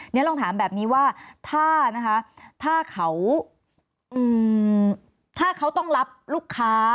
นี่ลองถามแบบนี้ว่าถ้านะคะถ้าเขาถ้าเขาต้องรับลูกค้า